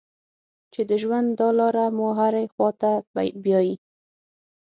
چې د ژوند دا لاره مو هرې خوا ته بیايي.